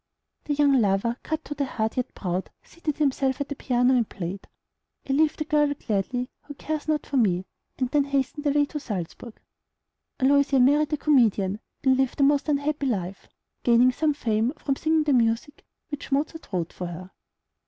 The young lover, cut to the heart, yet proud, seated himself at the piano, and played, "I leave the girl gladly who cares not for me," and then hastened away to Salzburg. Aloysia married a comedian, and lived a most unhappy life, gaining some fame from singing the music which Mozart wrote for her.